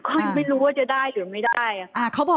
ก็ไม่รู้ว่าจะได้หรือไม่ได้ค่ะ